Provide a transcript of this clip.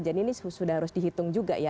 jadi ini sudah harus dihitung juga ya